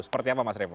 seperti apa mas revo